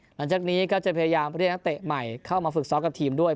หลังจากนี้ก็จะพยายามประเทศนักเตะใหม่เข้ามาฝึกซ้อมกับช่วงดนตรีด้วย